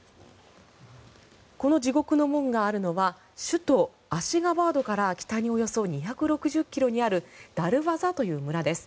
この地獄の門があるのは首都アシガバートから北におよそ２６０ｋｍにあるダルバザという村です。